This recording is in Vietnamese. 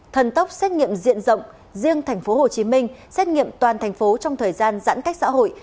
thần tốc xét nghiệm diện rộng riêng tp hcm xét nghiệm toàn thành phố trong thời gian giãn cách xã hội